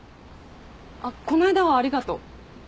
あっこないだはありがとう。